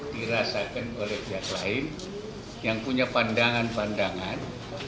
dirasakan oleh pihak lain yang punya pandangan pandangan